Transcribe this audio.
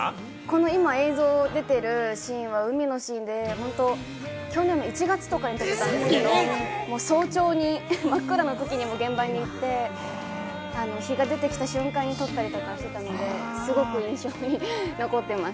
今、映像出てるシーンは海のシーンで、去年の１月とかに撮ったんですけど、早朝に真っ暗なときに現場に行って、日が出てきた瞬間に撮ったりとかしてたので、すごく印象に残ってます。